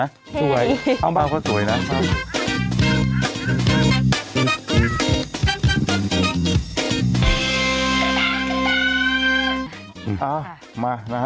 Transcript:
ด้านบ้างพวกเขาสวยนะ